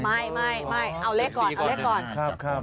ไม่เอาเลขก่อน